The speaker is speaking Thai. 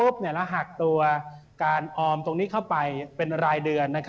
แล้วหักตัวการออมตรงนี้เข้าไปเป็นรายเดือน